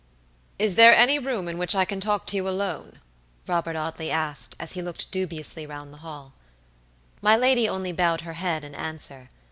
"Is there any room in which I can talk to you alone?" Robert Audley asked, as he looked dubiously round the hall. My lady only bowed her head in answer.